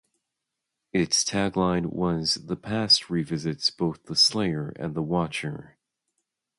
It's tagline was "The past revisits both the slayer and the watcher".